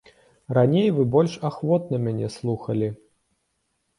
Раней вы больш ахвотна мяне слухалі.